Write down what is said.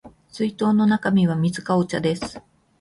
水筒の中身は水かお茶です